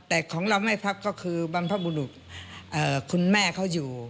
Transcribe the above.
แต่ของเราไม่พับก็คือบรรพบุรุษคุณแม่เขาอยู่